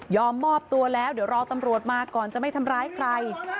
มอบตัวแล้วเดี๋ยวรอตำรวจมาก่อนจะไม่ทำร้ายใคร